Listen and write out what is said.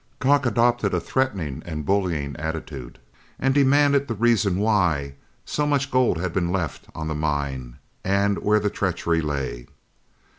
Kock adopted a threatening and bullying attitude, and demanded the reason why so much gold had been left on the mine, and where the treachery lay.